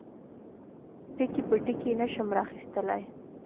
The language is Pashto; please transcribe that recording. ټکي په ټکي یې نشم را اخیستلای.